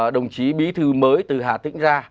đồng chí bí thư mới từ hà tĩnh ra